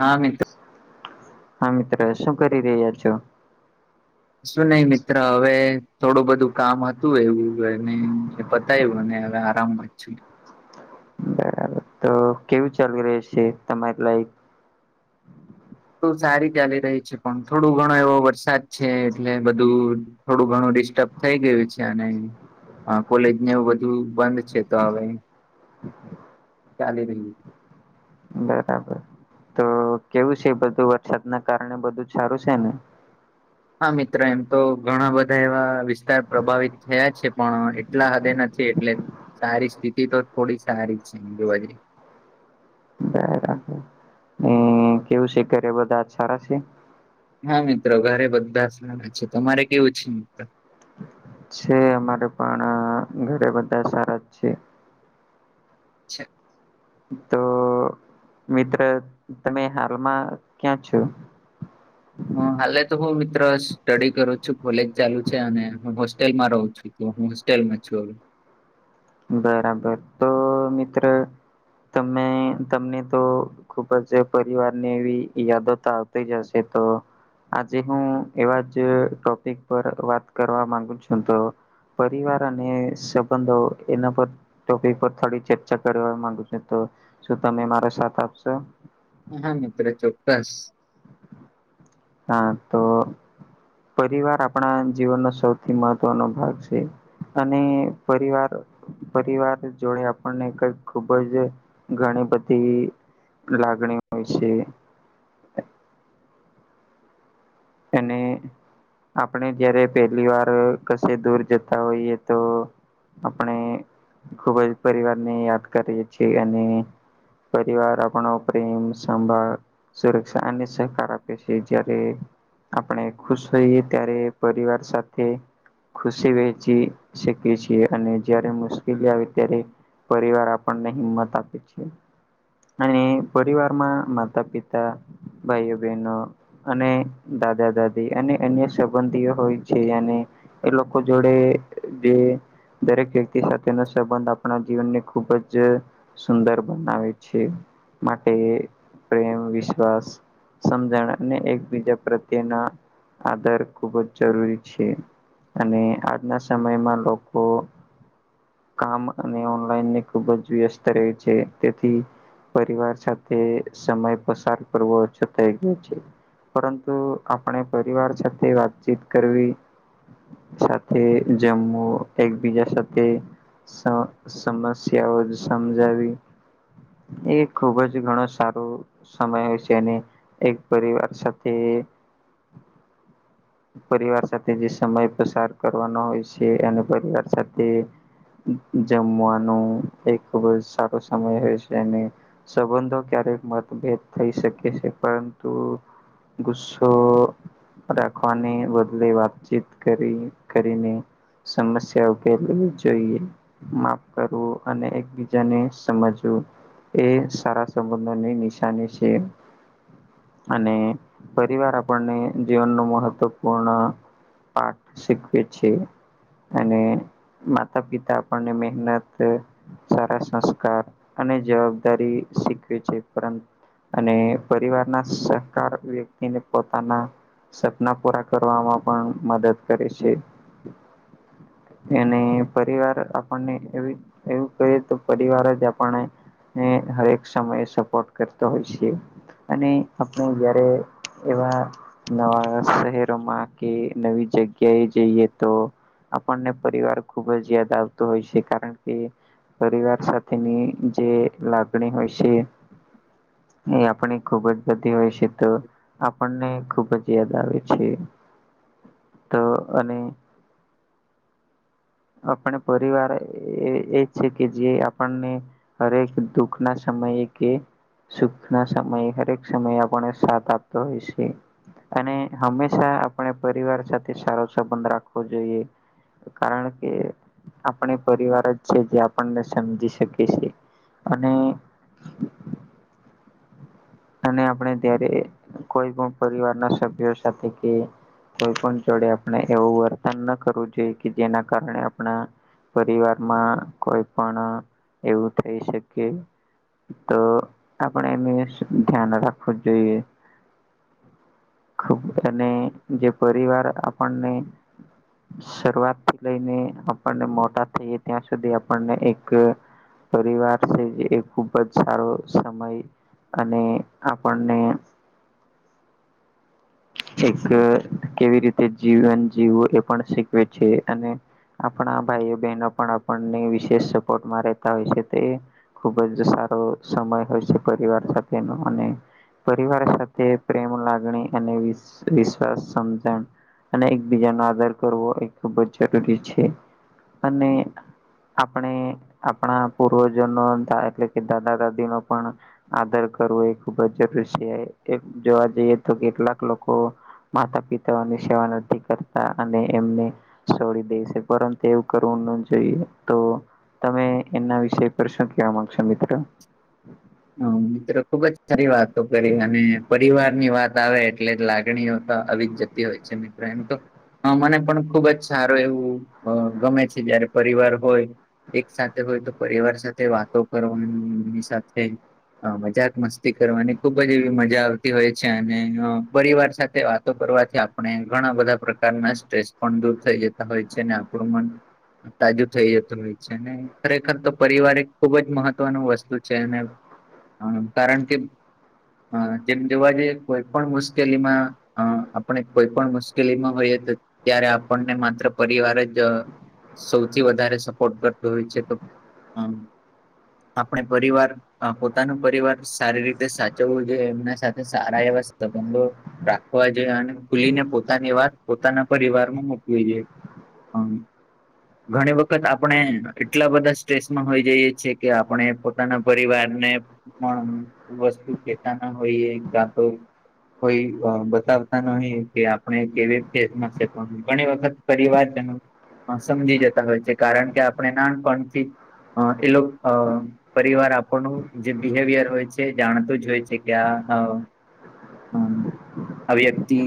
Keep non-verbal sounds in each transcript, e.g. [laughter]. હા મિત્ર હા મિત્ર શું કરી રહ્યા છો કશું નઈ મિત્ર હવે થોડું બધું કામ હતું એવું ને એ પતાયવું અને હવે આરામ [unintelligible] બરાબર તો કેવું ચાલી રહ્યું છે તમારે લાઈફ તો સારી ચાલી રહી છે પણ થોડો ઘણો એવો વરસાદ છે એટલે બધું થોડું ઘણું ડિસ્ટબ થઈ ગયું છે અને હા કોલેજને એવું બધું બંધ છે તો હવે ચાલી રહ્યું. બરાબર તો કેવું છે બધું વરસાદ કારણે બધું સારું છે ને હા મિત્ર એમ તો ઘણા બધા એવા વિસ્ વિત પ્રભાવિત થયા છે પણ એટલા હદે નથી એટલે સારી સ્થિતિ તો થોડી સારી જ છે આમ જોવા જઈએ તો બરાબર કેવું છે ઘરે બધા સારા છે. હા મિત્રો ઘરે બધા સારા છે તમારે કેવું છે મિત્ર છે અમારે પણ ઘરે બધા સારા જ છે. અચ્છા તો મિત્ર તમે હાલમાં ક્યાં છો? હ હાલે તો હું મિત્ર સ્ટડી કરું છું કોલેજ ચાલુ છે અને હું હોસ્ટેલમાં રવ છું. તો હું હોસ્ટેલમાં છું હવે બરાબર તો મિત્ર તમે તમને તો ખુબ જ પરિવારને એવી યાદો તો આવતી જ હશે તો આજે હું એવા જ ટોપિક પર વાત કરવા માંગુ છું તો પરિવાર અને સંબંધો એના પર ટોપિક પર થોડી ચર્ચા કરવા માંગુ છું તો શું તમે મારો સાથ આપશો હા મિત્ર ચોક્કસ હા તો પરિવાર આપણા જીવનનો સૌથી મહત્વનો ભાગ છે. અને પરિવાર પરિવાર જોડે આપને કઈક ખુબ જ ઘણી બધી લાગણી હોય છે. એને આપણે જયારે પેલીવાર કશે દૂર જતા હોઈએ તો આપણે ખુબ જ પરિવારને યાદ કરીએ છીએ અને પરવાર આપણ પ્રેમ સંભાળ સુરક્ષા અને સહકાર આપે છે જયારે આપણે ખુશ હોઈએ ત્યારે પરિવાર સાથે ખુશી વહેચી શકી છીએ અને જયારે મુશ્કેલી આવે ત્યારે પરિવાર આપ પણને હિંમત આપે છેીએ. અને પરિવારમાં માતા પિતા ભાઈઓ બહેનો અને દાદા દાદી અને અન્ય સંબંધીઓ હોય છે. એ લોકો જોડે જે દરેક વ્યક્તિ સાથેનો સંબંધ આપણા જીવનને ખુબ જ સુંદર બનાવે છે માટે પ્રેમ વિશ્વાસ સમજણ અને એકબીજા પ્રત્યેના આધાર ખૂબ જ જરૂરી છે. અને આજના સમયમાં લોકો કામ અને ઓનલાઈનને ખુબ જ વ્યસ્ત રહે છે તેથી પરિવાર સાથે સમય પસાર કરવો ઓછો થઈ ગયો છે. તો આપણે પરિવાર સાથે વાતચીત કરવી. સાથે જેમ હું એકબીજા સાથે જ સમસ્યાઓ સમજાવવી. એ ખુબ જ ઘણો સારો સમય હોય છે અને એક પરિવાર સાથે. એ પરિવાર સાથે જે સમય પસાર કરવાનો હોય છે અને પરિવાર સાથે જમવાનું એ ખુબ જ સારો સમય હો છે. અને સંબંધો ક્યારેક મતભેદ થઈ શકે છે. પરંતુ ગુસ્સો રાખવાને બદલે વાતચીત કરી કરીને સમસ્યા ઉકેલવી જોઈએ. માફ કરવું અને એકબીજાને સમજવું. એ સારા સંબંધોની નિશાની છે. અને પરિવાર આપણને જીવન નું મહત્વપૂર્ણ પાઠ શીખવે છે. અને માતા પિતા પણ [inaudible] સારા સંસ્કાર અને જવાબદારી શીખવી છે. પરંતુ અને પરિવાર ના સહકાર વ્યક્ ટીને પોતાના સપના પૂરા કરવામાં પણ મદદ કરે છે. અને પરિવાર આપણને એ એવું કહીએ તો પરિવાર જ આપણે હરેક સમયે સપોર્ટ કરતો હોય છે. અને આપણે જયારે એવા નવા શહેરોમાં કે નવી જગ્યાએ જઈએ તો આપણને પરિવાર ખુબ જ યાદ આવતો હોય છે. કારણ કે પરિવાર સાથેની જે લાગણી હોય છે. એ આપણે ખુબ જ થતી હોય છે, તો આપણને ખુબ જ યાદ આવે છે. તો અને આપણે પરિવાર એજ છે કે જે આપણને હરે ક દુઃખના સમયકે સુખ ના સમયે હરેક સમય આપણને સાથ આપતો હોય છે. અને હંમેશા આપણે પરિવાર સાથે સારો સંબંધ જોઈએ. કારણ કે આપણે પરિવાર જ છે, જે આપણને સમજી શકી છે. અને અને આપણે ત્યારે કોઈ પણ પરિવારના સભ્યો સાથે કે કોઈ પણ જોડે આપણે એવું વર્તન ના કરવું જોઈએ કે જેના કારણે આપણા પરિવારમાં કોઈ પણ એવું થઈ શકે તો આપણે એને ધ્યાન રાખવું જોઈએ ખબર અને જે પરિવાર આપણને શરૂઆત થી લઈનેઆપણને મોટા થઈએ ત્યાં સુધી આપણને એક પરિવાર છે એ ખુબ જ સારો સમય અને આપણને એક કેવી રીતે જીવન જીવવું એ પણ શીખવે છે અને આપણા ભાઈઓ બહેનો પણ આપણને વિશેષ સપોર્ટમાં રહેતા હોય છે તે ખુબ જ સારો સમય હોય છે પરિવાર સાથેનો અને પરિવાર સાથે પ્રેમ લાગણી અને વિશ્વાસ સમજણ અને એકબીજા ન આદાર કરવો એ ખૂબ જ જરૂરી છે અને આપણે આપણા પૂર્વજોનો એટલે કે દાદા દાદી નો પણ આદર કરવો એ ખુબ જ જરૂરી છે એક જોવા જઈએ તો કેટલાક લોકો માતા પિતાઓની સેવા નથી કરતા અને એમને છોડી દેશે પરંતુ એવું કરવું ન જોઈએ તો તમે એના વિષય પર શું કેવા માંગશો મિત્ર હ મિત્ર ખુબ જ સારી વાતો કરી અને પરિવારની વાત આવે એટલે લાગણીઓ તો આવી જ જતી હોય છે મિત્ર એમ તો હ મને પણ ખુબ જ સારું એવું ગમે છે જયારે પરિવાર હોય એક સાથે હોય તો પરિવાર સાથે વાતો કરવાની એની સાથે હ મજાક મસ્તી કરવાની ખુબ જ એવી મજા આવતી હોય છે અને પરિવાર સાથે વાત કરવાથી આપણે ઘણા બધા પ્રકારના સ્ટ્રેસ પણ દૂર થઈ જતા હોય છે આપણું મન તાજું થઈ જતું હોય છે ને ખરેખર તો પરિવાર એ ખુબ જ મહત્વ નું વસ્તુ છે ને કારણ કે હા તેમ જોવા જઈએ કોઈ પણ મુશ્કેલીમાં અ આપણે કોઈ પણ મુશ્કેલીમાં હોઈએ તો ત્યારે આપણને માત્ર પરિવાર જ સૌથી વધારે સપોર્ટ કરતો હોય છે તો હ આપણે પરિવાર હ પોતાનું પરિવાર સારી રીતે સાચવવું જોઈએ એમના સાથે સારા એવા સંબંધો રાખવા જોઈ અને ભૂલીને પોતાની વાત પોતાના પરિવારમાં મુકવી જોઈએ હમ ઘણી વખત આપણે એટલા બધા સ્ટ્રેસમાં હોય જઈએ છીએ કે આપણે પોતાના પરિવારને પણ વસ્તુ કેતા ના હોઈએ કા તો કોઈ બતાવતા નહી કે આપણે કેવી ફેસમાં છે પણ ઘણી વખત પરિવારજનો સમજી જતા હોય કારણ કે આપણે નાનપણથી એ અ પરિવાર આપણનું જે બિહેવિયર હોય જાણતું જ હોય છે કે આ હ હમ અ્ વ્યક્તિ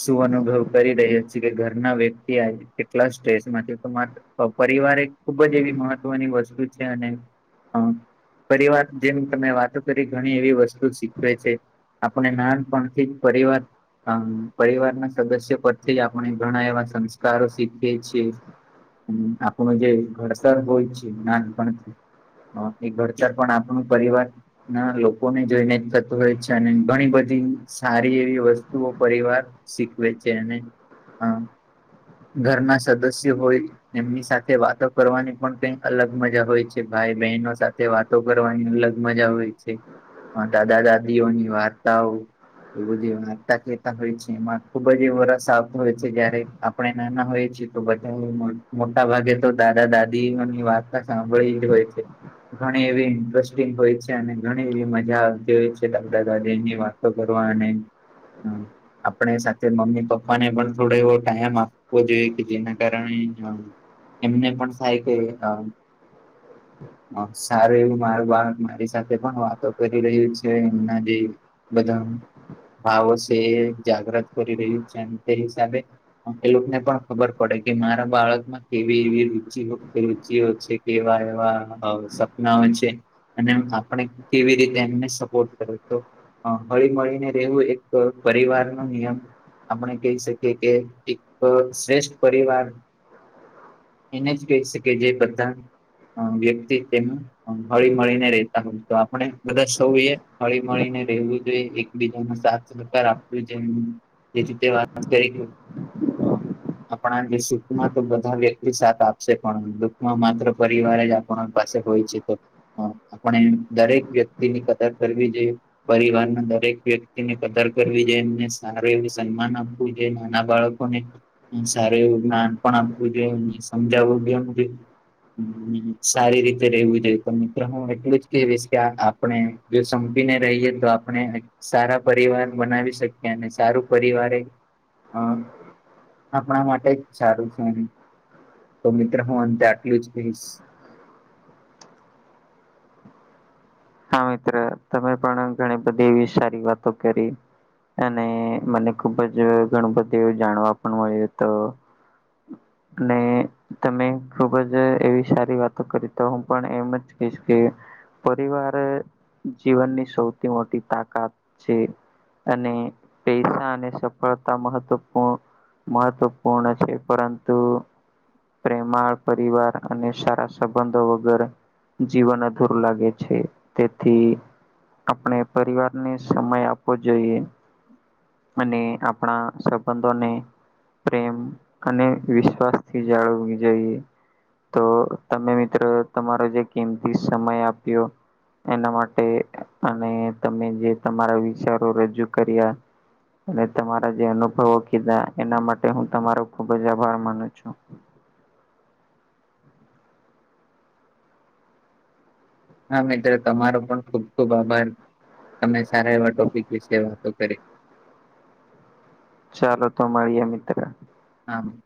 શું અનુભવ કરી રહ્યા છે કે ઘરના વ્યક્તિ આ કેટલા સ્ટ્રેસ માંથી તો માત્ર તો પરિવાર એક ખુબ જ એવી મહત્વની વસ્તુ છે અને હમ્મ પરિવાર જેમ તમે વાતો કરી ઘણી એવી વસ્તુ શીખવે છે આપણે નાનપણથી જ પરિવાર આમ પરિવારના સદસ્ય પરથી આપણે ઘણા એવા સંસ્કારો શીખીએ છીએ હમ આપણુ જે ઘડતર બોજ છે નાણપણ અ એ ઘડતર પણ આપણું પરિવાર ના લોકોને જોઈને જ થતું હોય છે અને ઘણી બધી સારી એવી વસ્તુઓ પરિવાર શીખવે છે અને અ ઘરના સદસ્ય હોય એમની સાથે વાતો કરવાની પણ કઈ અલગ મજા હોય છે કે ભાઈ બહેનો સાથે વાતો કરવાની અલગ મજા હોય છે દાદા દાદીઓની વાર્તાઓ એ જ વાર્તા કેહેતા હોય છે એમાં ખુબ જ એ વર સાફ હોય છે જયારે આપણે નાના હોયએ છે તો બધા મોટા ભાગે તો દાદા દાદીઓની વાર્તા સાંભળી હોય છે ઘણી એવી ઇન્ટરેસ્ટિંગ હોય છે અને ઘણી એવી મજા આવતી હોય છે દાદા દાદીની વાત તો કરવા આપણે સાથે મમ્મી પપ્પા ને પણ થોડો એવો ટાઈમ આપ પવો જોઈએ કે જેના કારણે એમને પણ થાય કે આમ હ સારું એવું માર બા મારી સાથે પણ વાતો કરી રહ્યું છે એમના જે બધા ભાવ છે જાગ્રત કરી રહ્યું છે તે હિસાબે એ તે લોકોને પણ ખબર પડે કે મારા બાળકમાં કેવી એવી રુચિ રુચિઓ છે કેવા કેવા હાવ સપના હોય છે અને આપણે કેવી રીતે એમને સપોર્ટ કરે તો હ હળી મળીને રહેવું એક પરિવારનો નિયમ આપણે કહી શકીએ કે એક શ્રેષ્ઠ પરિવાર એને જ કહી શકીએ જે બધા વ્યક્તિ તેનું હળી મળીને રેતા હોય તો આપણે બધા સૌએ હળી મળીને રહેવું જોઈએ. બીજા સાથ સહકાર આપું જે જેથી તે વાત કરી હ આપનાને સુખમાં તો બધા વ્યક્તિ સાથ આપશે પણ દુઃખમાં માત્ર પરિવાર જ આપણા પાસે હોય છે તો હ આપણે દરેક વ્યક્તિની કદર કરવી જોઈએ. પરિવારના દરેક વ્યક્તિને કદર કરવી જ એમને સારું એવું સન્માન આ પવુ જોઈએ નાના બાળકોને સારું એવું જ્ઞાન પણ આપવું જોઈએ સમજાવું બી આમ જોઈએ સારી રીતે રહેવું જોઈએ પણ મિત્ર હું એટલું જ કેવીશ કે આપણે જો સંપીને રહીએ તો આપને સારા પરિવાર બનાવી શક્યા અને સારું પરિવારે એ અ આપણા માટે જ સારું છે એમ તો મિત્ર હું અંતે આટલું જ કહીશ હા મિત્ર તમે પણ ઘણી બધી એવી સારી વાતો કરી અને મને ખુબ જ ઘણું એવું જાણવા પણ મળ્યું તું [inaudible] ને તમે ખુબ જ એવી સારી વાતો કરી તો હું પણ એમ જ કહીશ કે પરિવાર જીવનની સૌથી મોટી તાકાત છે. અને પૈસા અને સફળતા મહત્વપૂર્ણ મહત્વપૂર્ણ છે પરંતુ પ્રેમાળ પરિવાર અને સારા સંબંધો વગર જીવન અધૂર લાગે છે. તેથી આપણે પરિવારને સમય આપવો જોઈએ. અને આપણા સંબંધોને પ્રેમ અને વિશ્વાસથી જાળવવી જોઈએ. તો તમે મિત્રો તમારો જે કીમતી સમય આપ્યો. એના માટે અને તમે જે તમારા વિચારો રજૂ કર્યા. અને તમારા જે અનુભવો કીધા એના માટે હું તમારો ખુબ જ આભાર માનું છું. હા મિત્રો તમારો પણ ખુબ ખુબ આભાર તમે સારા એવા ટોપિક વિશે વાતો કરી. ચાલો તો મળીયે મિત્ર. હામ